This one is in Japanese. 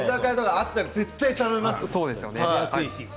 あったら絶対に頼みます。